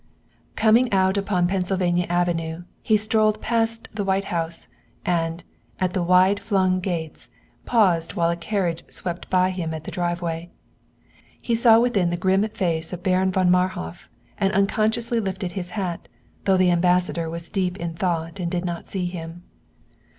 Coming out upon Pennsylvania Avenue he strolled past the White House, and, at the wide flung gates, paused while a carriage swept by him at the driveway. He saw within the grim face of Baron von Marhof and unconsciously lifted his hat, though the Ambassador was deep in thought and did not see him.